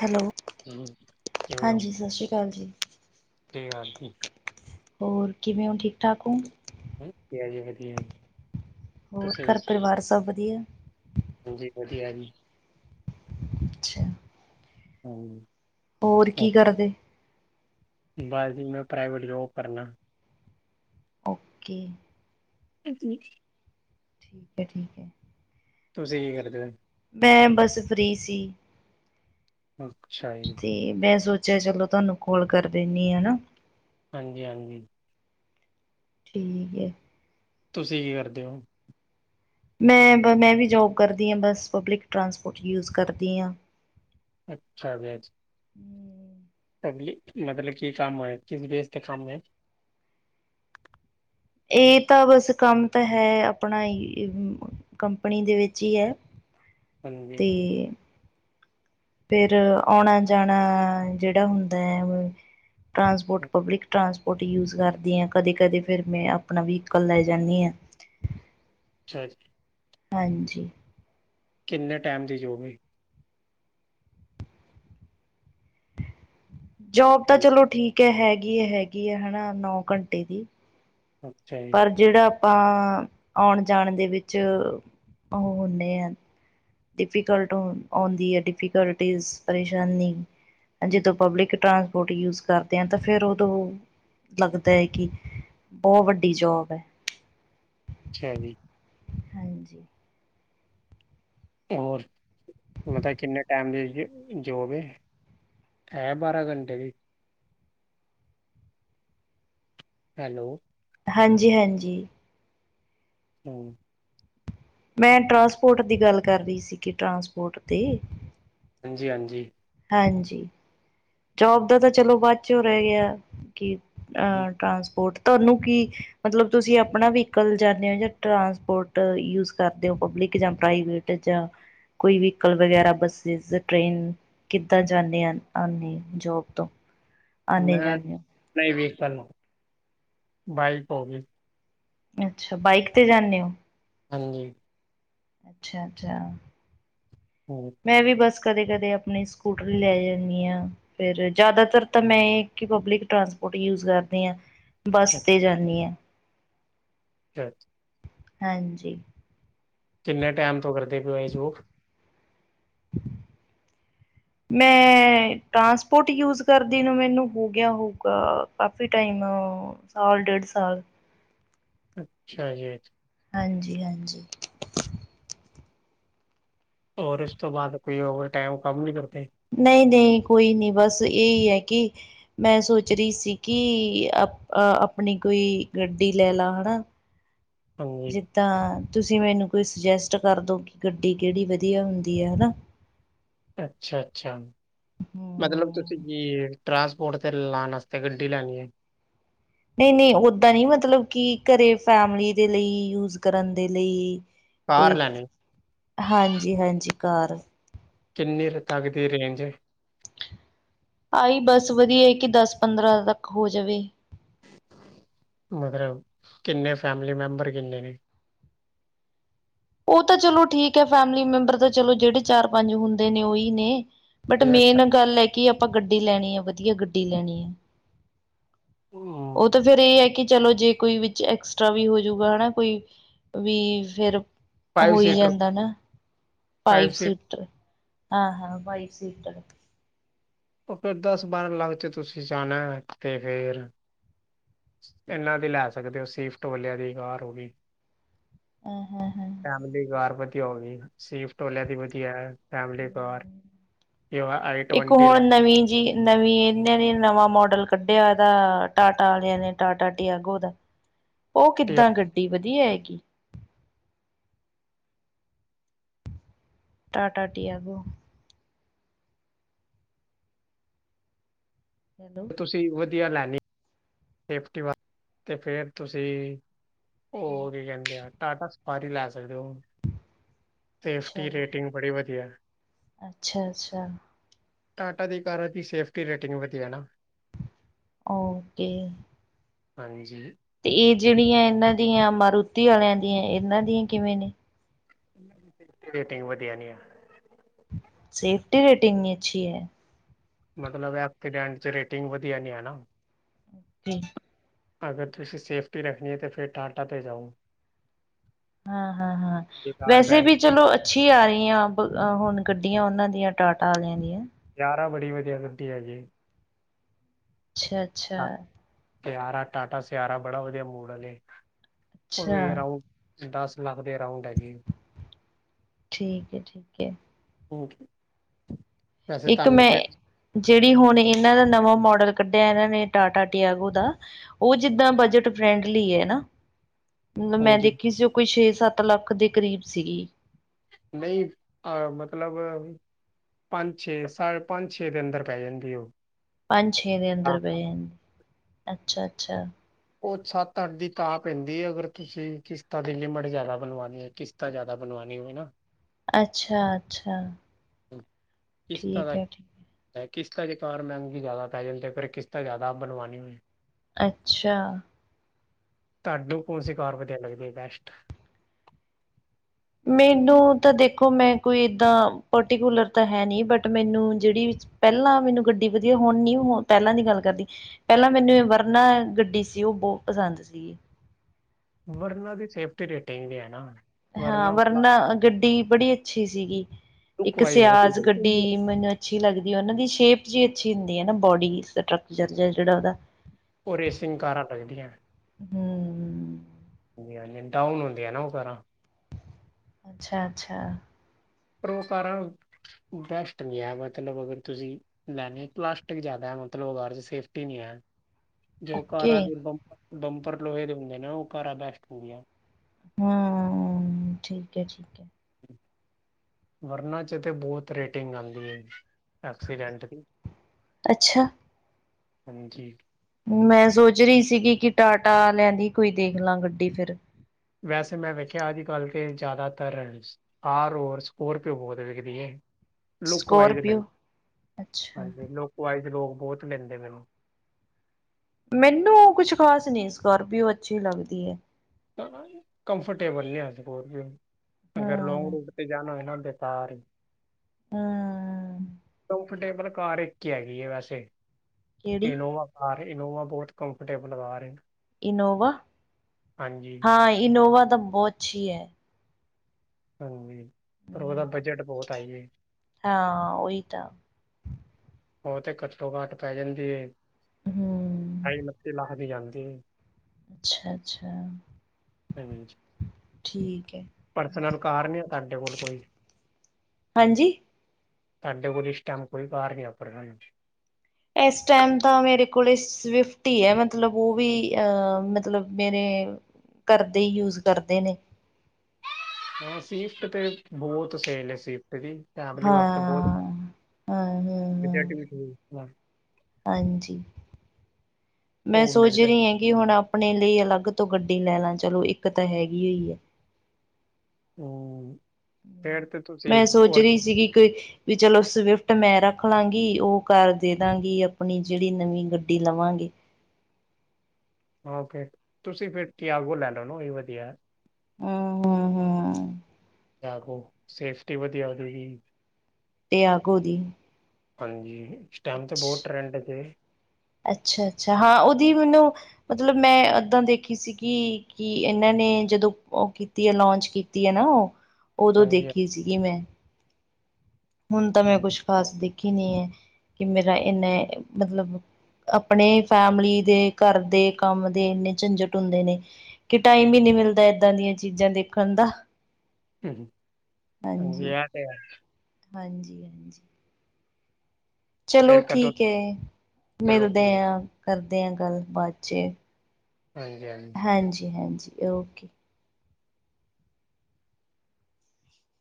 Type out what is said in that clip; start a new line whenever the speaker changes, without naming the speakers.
Hello
ਜੀ ਕਿਵੇਂ ਹੋ
ਹਾਂਜੀ ਸਤਿ ਸ਼੍ਰੀ ਅਕਾਲ ਜੀ
[unintelligible]
ਹੋਰ ਕਿਵੇਂ ਹੋਣ ਠੀਕ ਠਾਕ ਹੋ
ਹ ਜ ਵਧੀਆ
ਹੋਰ
ਤੁਸੀਂ
ਘਰ ਪਰਿਵਾਰ ਸਭ ਵਧੀਆ
ਤੁਸੀ ਵਧੀਆ ਜੀ
ਅੱਛਾ
ਹਾਂ
ਹੋਰ ਕੀ ਕਰਦੇ
ਬਸ ਜੀ ਮੈਂ ਪ੍ਰਾਈਵੇਟ ਜੋਬ ਕਰਨਾ
ਕਿ
ਹਜੀ
ਠੀਕ ਹੈ ਠੀਕ ਹੈ
ਤੁਸੀਂ ਕੀ ਕਰਦੇ ਹੋ
ਮੈਂ ਬੱਸ ਫਰੀ ਸੀ
ਅੱਛਾ ਜੀ
ਤੇ ਮੈਂ ਸੋਚਿਆ ਚਲੋ ਤੁਹਾਨੂੰ ਕੋਲ ਕਰ ਦਿੰਦੀ ਹ ਹੈਾ
ਹਾਂਜੀ ਹਾਂਜੀ
ਠੀਕ ਹੈ
ਤੁਸੀਂ ਕੀ ਕਰਦੇ ਹੋ
ਮੈਂ ਬ ਮੈਂ ਵੀ ਜੋਬ ਕਰਦੀ ਹਾਂ ਬਸ ਪਬਲਿਕ ਟਰਾਂਸਪੋਰਟ ਯੂਜ ਕਰਦੀ ਹਾਂ
ਅੱਛਾ ਜੀ ਮਤਲਬ ਕਿਸ ਕੰਮ ਹੋ ਕਿਸ ਬੇਸ ਤੇ ਕੰਮ ਹੈ
ਇਹ ਤਾਂ ਬਸ ਕੰਮ ਤਾਂ ਹੈ ਆਪਣਾ ਕੰਪਨੀ ਦੇ ਵਿੱਚ ਹੀ ਹੈ
ਹਾਂਜੀ
ਅਤੇ ਫੇਿਰ ਆਉਣਾ ਜਾਣਾ ਜਿਹੜਾ ਹੁੰਦਾ ਹੈ ਟਰਾਂਪੋਰਟ ਪਬਲਿਕ ਟਰਾਂਸਪ ਸਕਟ ਯੂਜ ਕਰਦੀ ਹਾਂ ਕਦੇ ਕਦੇ ਫੇਿਰ ਮੈਂ ਆਪਣਾ ਵਹੀਕਲ ਲੈ ਜਾਂਦੀ ਹਾਂ
ਅੱਛਾ ਜੀ
ਹਾਂਜੀ
ਕਿੰਨੇ ਟਾਈਮ ਦੀ ਜੋਬ ਹੈਗੀ
ਜੋਬ ਤਾਂ
ਹਾਂਜੀ,
ਚਲੋ ਠੀਕ ਹੈ ਹੈਗੀ ਹੈ ਹੈਗੀ ਹੈ ਹੈ ਨਾ ਨੌ ਘੰਟੇ ਦੀ
ਅੱਛਾ ਜੀ
ਪਰ ਜਿਹੜਾ ਆਪਾਂ ਆਉਣ ਜਾਣ ਦੇ ਵਿੱਚ ਉਹ ਹੁੰਦੇ ਆ ਡਿਫੀਕਲਟ ਆਉਂਦੀ ਐ ਡਿਫੀਕਲਟੀਜ਼ ਪਰਸ਼ਾਨੀ। ਆ ਜਦੋਂ ਪਬਲਿਕ ਟਰਾਂਸਪੋਰਟ ਯੂਜ ਕਰਦੇ ਆਂ ਤਾਂ ਫੇਰ ਓਦੋਂ ਲੱਗਦਾ ਐ ਕੀ ਬਹਤ ਵੱਡੀ ਜੋਬ ਆ।
ਅੱਛਾ ਜੀ
ਹਾਂਜੀ
ਹੋਰ ਮਤਾ ਕਿੰਨੇ ਟੈਮ ਦੀ 'ਚ ਜੋਬ ਏ। ਹੈ ਬਾਰਾਂ ਘੰਟੇ ਦੀ। ਹੈਲੋ
ਹਾਂਜੀ ਹਾਂਜੀ
ਹੂੰ
ਮੈਂ ਟਰਾਂਸਪੋਰਟ ਦੀ ਗੱਲ ਕਰਦੀ ਸੀ। ਕੀ ਟਰਾਂਸਪੋਰਟ ਤੇ-
ਹਾਂਜੀ ਹਾਂਜੀ
ਹਾਂਜੀ। ਜੋਬ ਦਾ ਤਾਂ ਚਲੋ ਬਾਦ 'ਚ ਓ ਰੈ ਗਿਆ ਕਿ- ਅਹ ਟਰਾਂਸਪੋਰਟ ਤਾਨੂੰ ਕੀ- ਮਤਲਬ ਤੁਸੀਂ ਆਪਣਾ ਵਹੀਕਲ ਜਾਂਦੇ ਓ ਜਾਂ ਟਰਾਂਸਪੋਰਟ ਯੂਜ ਕਰਦੇ ਓ ਪਬਲਿਕ ਜਾਂ ਪ੍ਰਵੇਟ? ਜਾਂ ਕੋਈ ਵੀਕਲ ਵਗੈਰਾ ਬੱਸਿਸ, ਟ੍ਰੇਨ। ਕਿੱਦਾਂ ਜਾਂਦੇ ਆਂ ਆਂਦੇ ਓ ਜੋਬ ਤੋਂ? ਆਨੇ
ਮੈਂ
ਜਾਂਦੇ ਹੋ
ਨਈ ਵੀਹਕਲ ਓ ਬਾਈਕ ਹੋ ਗਈ।
ਅੱਛਾ ਬਾਈਕ ਤੇ ਜਾਂਨੇ ਓ।
ਹਾਂਜੀ
ਅੱਛਾ ਅੱਛਾ
ਹੂੰ
ਮੈਂ ਵੀ ਬੱਸ ਕਦੇ -ਕਦੇ ਆਪਣੇ ਸਕੂਟਰੀ ਲੈ ਜਾਂਨੀ ਆਂ। ਫੇਰ ਜਿਆਦਾਤਰ ਤਾਂ ਮੈਂ ਇਕ ਈ ਪਬਲਿਕ ਟਰਾਂਸਪੋਰਟ ਯੂਜ ਕਰਦੀ ਆਂ। ਬੱਸ ਤੇ ਜਾਂਨੀ ਆਂ
ਚਲ
ਹਾਂਜੀ
ਕਿੰਨੇ ਟੈਮ ਤੋਂ ਕਰਦੇ ਪਏ ਓ ਏ ਜੋਬ
[inaudible] ਮੈਂ ਟਰਾਂਸਪੋਰਟ ਯੂਸ ਕਰਦੀ ਨੂੰ ਮੈਨੂੰ ਹੋ ਗਿਆ ਹੋਊਗਾ ਕਾਫੀ ਟਾਈਮ ਅ- ਸਾਲ ਡੇਢ ਸਾਲ-
ਅੱਛਾ ਜੀ
ਹਾਂਜੀ ਹਾਂਜੀ
ਔਰ ਇਸ ਤੋਂ ਬਾਅਦ ਕੋਈ ਓਵਰ ਟਾਈਮ ਕੰਮ ਨੀ ਕਰਦੇ।
ਨਈ ਨਈ ਕੋਈ ਨੀ ਬਸ ਏਈ ਐ ਕੀ- ਮੈਂ ਸੋਚ ਰੀ ਸੀ ਕੀ ਅ ਆਪਣੀ ਕੋਈ ਗੱਡੀ ਲੈ ਲਾ ਹਨਾ।
ਹਾਂਜੀ
ਜਿੱਦਾਂ ਤੁਸੀਂ ਮੈਨੂੰ ਕੋਈ ਸੁਜੈਸਟ ਕਰ ਦੋ ਕਿ ਗੱਡੀ ਕਿਹੜੀ ਵਧੀਆ ਹੁੰਦੀ ਆ ਹਨਾ
ਅੱਛਾ ਅੱਛਾ ਮਤਲਬ
ਹਮ
ਤੁਸੀਂ ਜੀ- ਟਰਾਂਸਪੋਰਟ ਤੇ ਲਾਣ ਆਸਤੇ ਗੱਡੀ ਲੈਣੀ ਏ।
ਨਈ ਨਈ ਓਦਾਂ ਨੀ ਮਤਲਬ ਕੀ ਘਰੇ ਫੈਮਲੀ ਦੇ ਲਈ ਯੂਜ ਕਰਨ ਦੇ ਲਈ।
ਕਾਰ
ਕੋਈ
ਲੈਣੀ ਹੈ?
ਹਾਂਜੀ- ਹਾਂਜੀ ਕਾਰ।
ਕਿੰਨੇ ਕੇ ਤੱਕ ਦੀ ਰੇਂਜ ਏ।
ਆਈ ਬਸ ਵਧੀਆ ਏ ਕਿ ਦਸ ਪੰਦਰਾਂ ਤੱਕ ਹੋ ਜਵੇ।
ਮਤਲਬ ਕਿੰਨੇ ਫੈਮਲੀ ਮੈਂਬਰ ਕਿੰਨੇ ਨੇ?
ਓ ਤਾਂ ਚਲੋ ਠੀਕ ਐ। ਫੈਮਿਲੀ ਮੈਂਬਰ ਤਾਂ ਚਲੋ ਜੇੜੇ ਚਾਰ ਪੰਜ ਹੁੰਦੇ ਨੇ ਓਈ ਨੇ। ਬਟ
ਇਹ ਅੱਛਾ
ਮੇਨ ਗੱਲ ਏ ਕੀ ਆਪਾਂ ਗੱਡੀ ਲੈਣੀ ਆ। ਵਧੀਆ ਗੱਡੀ ਲੈਣੀ ਆ।
ਹੂੰ
ਓ ਤਾਂ ਫੇਰ ਏ ਹੈ ਕਿ ਚਲੋ ਜੇ ਕੋਈ ਵਿੱਚ ਐਕਸਟਰਾ ਵੀ ਹੋਜੂਗਾ ਹਨਾ ਕੋਈ। ਵੀ ਫੇਰ
ਫਾਈਵ
ਹੋਈ
ਸੀਟਰ
ਜਾਂਦਾ ਨਾ ਫਾਈਵ ਸੀਟਰ ਹਾਂ- ਹਾਂ ਫਾਈਵ ਸੀਟਰ।
ਉਹ ਫਿਰ ਦਸ ਬਾਰਾਂ ਲੱਖ ਚ ਤੁਸੀਂ ਜਾਣਾ ਤੇ ਫੇਰ ਇਹਨਾਂ ਦੀ ਲੈ ਸਕਦੇ ਹੋ ਸੀਫਟ ਵਾਲਿਆਂ ਦੀ ਕਾਰ ਹੋ ਗਈ
ਹਮ ਹਮ ਹਮ
ਫੈਮਲੀ ਕਾਰ ਵਧੀਆ ਹੋ ਗਈ ਸਵਿਫਟ ਵਾਲੀਆ ਦੀ ਵਧੀਆ ਫੈਮਲੀ ਕਾਰ [unintelligible]
ਇੱਕ ਹੁਣ
ਲੈਣੀ
ਨਵੀਂ ਜਿਹੀ ਨਵੀਂ ਇਨ ਨੇ ਨਵਾਂ ਮੋਡਲ ਕੱਢਿਆ ਇਹਦਾ ਟਾਟਾ ਵਾਲਿਆਂ ਨੇ ਟਾਟਾ ਟੀ ਆਗੂ ਦਾ ਉਹ
ਹੈ
ਕਿੱਦਾਂ ਗੱਡੀ ਵਧੀਆ ਹੈਗੀ ਟਾਟਾ ਟਆਗੋ ਹੈਲੋ
ਤੁਸੀਂ ਵਧੀਆ ਲੈਦੇ ਹੋ ਸੇਫਟੀ ਵਾਸਤੇ ਅਤੇ ਫਿਰ ਤੁਸੀਂ ਉਹ ਕੀ ਕਹਿੰਦੇ ਆ ਟਾਟਾ ਸਪਾਰੀ ਲੈ ਸਕਦੇ ਹੋ
ਅੱਛਾ
ਸੇਫਟੀ ਰੇਟਿੰਗ ਬੜੀ ਵਧੀਆ
ਅੱਛਾ ਅੱਛਾ
ਟਾਟਾ ਦੀ ਕਾਰਾਂ ਦੀ ਸੇਫਟੀ ਰੇਟਿੰਗ ਵਧੀਆ ਨਾ
ਓਕੇ
ਹਾਂਜੀ
ਤੇ ਇਹ ਜਿਹੜੀਆਂ ਇਹਨਾਂ ਦੀਆਂ ਮਾਰੁਤੀ ਵਾਲਿਆਂ ਦੀਆਂ ਇਹਨਾਂ ਦੀਆਂ ਕਿਵੇਂ ਨੇ
ਰੇਟਿੰਗ ਵਧੀਆ ਨੀ ਆ
ਸੇਫਟੀ ਰੇਟਿੰਗ ਨੀ ਅੱਛੀ ਹੈ।
ਮਤਲਬ ਐਡੈਂ ਚ ਰੇਟਿੰਗ ਵਧੀਆ ਨ ਹੈ
[inaudible]
ਅਗਰ ਤੁਸੀਂ ਸੇਫਟੀ ਰੱਖਣੀ ਹੈ ਤਾਂ ਫਿਰ ਟਾਟਾ 'ਤੇ ਜਾਓ
ਹਾਂ ਹਾਂ ਹਾਂ
ਇਹ ਕਾਰ
ਵੈਸੇ
ਬੈਸਟ
ਵੀ ਚਲੋ ਅ ਅੱਛੀ ਆ ਰਹੀਆਂ ਹੁਣ ਗੱਡੀਆਂ ਉਹਨਾਂ ਦੀਆਂ ਟਾਟਾ ਵਾਲਿਆਂ ਦੀਆਂ
ਯਾਰ ਬੜੀ ਬਧੀਆ ਗਟੀ ਹੈ ਜ
ਅੱਛਾ ਅੱਛਾ
ਹਾਂ, ਸਿਆਰਾ ਟਾਟਾ ਸਿਆਰਾ ਬੜਾ ਵਧੀਆ ਮੂਡ ਹੈ ਇਹ
ਅੱਛਾ
ਫਰ ਆਓ ਦਸ ਲੱਖ ਦੇ ਅਰਾਉਂਡ ਹੈਗੇ
ਠੀਕ ਹੈ ਠੀਕ ਹੈ
ਓਕੇ
ਇੱਕ ਮੈਂ ਜਿਹੜੀ ਹੁਣ ਇਹਨਾਂ ਦਾ ਨਵਾਂ ਮੋਡਲ ਕੱਢਿਆ ਇਹਨਾਂ ਨੇ ਟਾਟਾ ਟਟੀਆਗੋ ਦਾ ਉਹ ਜਿੱਦਾਂ ਬਜਟ ਫਰੈਂਡਲੀ ਹੈ ਨਾ ਮਤਲਬ ਮੈਂ
ਹਾਂਜੀ
ਦੇਖੀ ਸੀ ਉਹ ਕੋਈ ਛੇ ਸੱਤ ਲੱਖ ਦੇ ਕਰੀਬ ਸੀਗੀ
ਨਹੀਂ ਅਹ ਮਤਲਬ ਪੰਜ ਛੇ ਸਾ ਪੰਜ ਛੇ ਦੇ ਅੰਦਰ ਪੈ ਜਾਂਦੀ ਉਹ
ਪੰਜਛੇਦ ਅ ਦ
ਹਾਂ,
ਰਪੀ ਅੱਛਾ ਅੱਛਾ
ਉਹ ਸੱਤ ਅੱਠ ਦੀ ਤਾਂਾ ਪੈਂਦੀ ਅਗਰ ਤੁਸੀਂ ਕਿਸ਼ਤਾਂ ਦੀ ਲਿਮਟ ਜ਼ਿਆਦਾ ਬਣਵਾਉਣੀ ਹੈ ਕਿਤ ਤਾਂ ਜ਼ਿਆਦਾ ਬਣਵਾਉਣੀ ਹੋਵੇ ਨਾ
ਅੱਛਾ ਅੱਛਾ
ਕਿਸ
ਠੀਕ ਹੈ ਠੀਕ
ਤਰ੍ਹਾਂ ਕਿਸ਼ਤਾਂ ਜੇ ਕਾਰਰ ਮਹਿੰਗੀ ਜ਼ਿਆਦਾ ਪੈ ਜਾਂਲਦੀ ਫਿਰ ਕਿਤਾਂ ਜ਼ਿਆਦਾ ਆਪ ਬਣਵਉੀ ਹੋ
ਅੱਛਾ
ਤੁਹਾਾਨੂੰ ਕੌਣ ਸੀ ਕਾਰ ਵਧੀਆ ਲੱਗਦੀ ਬੈਸਟ
ਮੈਨੂੰ ਤਾਂ ਦੇਖੋ ਮੈਂ ਕੋਈ ਇੱਦਾਂ ਪਰਟੀਕੂਲਰ ਤਾਂ ਹੈ ਨਹੀਂ ਬਟ ਮੈਨੂੰ ਜਿਹੜੀ ਪਹਿਲਾਂ ਮੈਨੂੰ ਗੱਡੀ ਵਧੀਆ ਹੁਣ ਨੀ ਪਹਿਲਾਂ ਦੀ ਗੱਲ ਕਰਦੀ ਪਹਿਲਾਂ ਮੈਨੂੰ ਇਹ ਵਰਨਾ ਗੱਡੀ ਸੀ ਉਹ ਬਹੁਤ ਪਸੰਦ ਸੀਗੀ
ਵਰਨਾਂ ਦੀ ਸੇਫਟੀ ਰੇਟਿੰਗ ਵੀ ਹੈ ਨਾ ਹੁ
ਹਾਂ ਵਰਨਾ ਗੱਡੀ ਬੜੀ ਅੱਛੀ ਸੀਗੀ
ਲੁੱਕ
ਇੱਕ
ਵਾਈਜ਼
ਸਿਆਜ
ਵਧੀਆ
ਗੱਡੀ ਮ ਅੱਛੀ ਲੱਗਦੀ ਉਹਨਾਂ ਦੀ ਸ਼ੇਪ ਜਿ ਅੱਛੀ ਹੁੰਦੀ ਹੈ ਨਾ ਬੋਡੀ ਸਕਚਰ ਜਿਹੜਾ ਉਹਦਾ
ਉਹ ਰੇਸਿੰਗ ਕਾਰਾਂ ਲੱਗਦੀਆਂ
ਹੂ
ਹਾਂਜੀ ਹਾਂਜੀ ਡਾਊਨ ਹੁੰਦੀ ਆ ਨਾ ਉਹ ਕਰਾ
ਅੱਛਾ ਅੱਛਾ।
ਪਰ ਉਹ ਕਾਰਾ ਬੈਸਟ ਨਹੀਂ ਐ ਮਤਲਬ ਅਗਰ ਤੁਸੀਂ ਲੈਣੇ ਪਲਾਸਟਿਕ ਜ਼ਿਆਦਾ ਮਤਲਬ ਓ ਸੇਫਟੀ ਨਹੀਂ ਐ। ਜੋ
ਓਕੇ
ਕਾਰਾ ਦੇ ਬੰ ਬੰਪਰ ਲੋਹੇ ਦੇ ਹੁੰਦੇ ਨਾ ਉਹ ਕਾਰਾ ਬੈਸਟ ਹੁੰਦੀਆਂ।
ਹਾਂ ਠੀਕ ਹੈ ਠੀਕ ਹੈ।
ਵਰਨਾ ਚ ਤੇ ਬਹੁਤ ਰੇਟਿੰਗ ਆਂਦੀ ਐ। ਐਕਸੀਡੈਂਟ ਦੀ,
ਅੱਛਾ
ਹਾਂਜੀ।
ਮੈਂ ਸੋਚ ਰਹੀ ਸੀਗੀ ਕਿ ਟਾਟਾ ਲਿਆਂਦੀ ਕੋਈ ਦੇਖ ਲਾਂ ਗੱਡੀ ਫਿਰ।
ਵੈਸੇ ਮੈਂ ਵੇਖਿਆ ਅੱਜ ਕੱਲ ਤੇ ਜ਼ਿਆਦਾਤਰ ਆਰ ਔਰ ਸਕੋਰਪੀਓ ਬਹੁਤ ਵਿਕਦੀ ਏ। ਲੁੱਕ ਵਾਈਜ਼ ਲੈਂਦੇ,
ਸਕੋਰਪੀਓ ਅੱਛਾ
ਹਾਂਜੀ ਲੁੱਕ ਵਾਈਜ਼ ਲੋਕ ਬਹੁਤ ਲੈਂਦੇ ਮੈਨੂੰ।
ਮੈਨੂੰ ਉਹ ਕੁਛ ਖ਼ਾਸ ਨੀ, ਸਕਾਰਪੀਓ ਉਹ ਅੱਛੀ ਲੱਗਦੀ ਐ।
ਕੰਫਰਟੇਬਲ ਨੀਂ ਆ ਸਕਾਰਪੀਓ ਅਗਰ ਲੋਡ
ਹਮ
ਕਿਤੇ ਜਾਣਾ ਹੋਵੇ ਕਿਸੇ ਦੇ ਘਰ
ਹੂੰ ਹੂੰ
ਕੰਫਰਟੇਬਲ ਕਾਰ ਇੱਕ ਹੀ ਹੈਗੀ ਐ ਵੈਸੇ
ਕਿਹੜੀ
ਇਨੋਵਾ। ਆਰ ਏ ਇਨੋਵਾ ਬਹੁਤ ਕੰਫਰਟੇਬਲ ਕਾਰ ਏ।
ਇਨੋਵਾ।
ਹਾਂਜੀ।
ਹਾਂ ਇਨੋਵਾ ਤਾਂ ਬਹੁਤ ਅੱਛੀ ਏ।
ਹਾਂਜੀ, ਪਰ ਉਹਦਾ
ਹੂੰ,
ਬਜਟ ਬਹੁਤ ਹਾਈ ਏ।
ਹਾਂ ਓਈ ਤਾਂ।
ਉਹ ਤੇ ਘੱਟੋ ਘੱਟ ਪੈ ਜਾਂਦੀ ਏ,
ਹਮ
ਠਾਈ ਉੱਨਤੀ ਲੱਖ ਦੀ ਜਾਂਦੀ ਏ।
ਅੱਛਾ ਅੱਛਾ
ਹਾਂਜੀ
ਠੀਕ ਏ।
ਪਰਸਨਲ ਕਾਰ ਨਹੀਂ ਏ ਤੁਹਾਡੇ ਕੋਲ ਕੋਈ।
ਹਾਂਜੀ।
ਸਾਡੇ ਕੋਲ ਇਸ ਟਾਈਮ ਕੋਈ ਕਾਰ ਨੀ ਆਪਣੇ ਨਾਮ।
ਇਸ ਟਾਈਮ ਤਾਂ ਮੇਰੇ ਕੋਲ ਸਵਿਫਟੀ ਈ ਆ, ਮਤਲਬ ਉਹ ਵੀ ਅ ਮਤਲਬ ਮੇਰੇ ਘਰ ਦੇ ਹੀ ਯੂਜ ਕਰਦੇ ਨੇ।
ਹਾਂ ਸਿਫਟ ਤੇ ਬਹੁਤ ਸੇਲ ਐ ਸਿਫਟ ਦੀ, ਫੈਮਲੀ
ਹਾਂ
ਵਾਸਤੇ ਬਹੁਤ
ਹਾਂ ਹਾਂ ਹਾਂ
ਬਜਟ ਵੀ ਠੀਕ ਹੈ
ਹਾਂਜੀ ਮੈਂ
ਉਹ
ਸੋਚ
ਮਿਲ ਜਾ
ਰਹੀ ਏ ਕਿ ਹੁਣ ਆਪਣੇ ਲਈ ਅਲੱਗ ਤੋਂ ਗੱਡੀ ਲੈ ਲਾ ਚਲੋ ਇੱਕ ਤਾਂ ਹੈਗੀ ਈ ਓ ਏ।
ਹੂ
ਮੈਂ ਸੋਚ ਰਹੀ ਸੀਗੀ ਕੋਈ ਵੀ ਚਲੋ ਸਵਿਫਟ ਮੈਂ ਰੱਖ ਲਾਂਗੀ, ਉਹ ਕਰ ਦੇ ਦਾਂਗੀ ਆਪਣੀ ਜਿਹੜੀ ਨਵੀਂ ਗੱਡੀ ਲਵਾਂਗੇ।
ਓਕੇ ਤੁਸੀਂ ਫਿਰ ਟੀਆਗੋ ਲੈ ਲਓ ਨਾ ਉਹੀ ਵਧੀਆ ਏ।
ਹਾਂ ਹਾਂ
ਟੀਆਗੋ ਸੇਫਟੀ ਵਧੀਆ ਹੋਜੂਗੀ।
ਟੀਆਗੋ ਦੀ।
ਹਾਂਜੀ, ਇਸ ਟਾਈਮ ਤੇ ਬਹੁਤ ਟਰੈਂਡ ਜੇ।
ਅੱਛਾ ਅੱਛਾ ਹਾਂ ਉਹਦੀ ਮੈਨੂੰ ਮਤਲਬ ਮੈਂ ਏਦਾਂ ਦੇਖੀ ਸੀਗੀ ਕਿ ਇਹਨਾਂ ਨੇ ਜਦੋਂ ਉਹ ਲਾਂਚ ਕੀਤੀ ਏ ਨਾ ਉਹ, ਉਦੋਂ
ਹਾਂਜੀ
ਦੇਖੀ ਸੀਗੀ ਮੈਂ। ਹੁਣ ਤਾਂ ਮੈਂ
ਹਾਂਜੀ
ਕੁਛ ਖ਼ਾਸ ਦੇਖੀ ਨੀ ਐ ਕਿ ਮੇਰਾ ਇੰਨੇ ਮਤਲਬ ਆਪਣੇ ਫੈਮਲੀ ਦੇ ਘਰ ਦੇ ਕੰਮ ਦੇ ਇੰਨੇ ਝੰਜਟ ਹੁੰਦੇ ਨੇ ਕਿ ਟਾਈਮ ਹੀ ਨਹੀਂ ਮਿਲਦਾ ਏਦਾਂ ਦੀਆਂ ਚੀਜ਼ਾਂ ਦੇਖਣ ਦਾ।
ਹੂ, ਹਾਂਜੀ ਏ ਤਾਂ ਹੈ।
ਹਾਂਜੀ-ਹਾਂਜੀ ਚਲੋ
ਫਿਰ ਕਦੋਂ
ਠੀਕ ਹੈ।
ਚਲੋ
ਮਿਲਦੇ
ਠੀਕ
ਹਾਂ ਕਰਦੇ ਹਾਂ ਗੱਲ ਬਾਾਤ ਚ'
ਹਾਂਜੀ-ਹਾਂਜੀ
ਹਾਂਜੀ-ਹਾਂਜੀ ਓਕੇ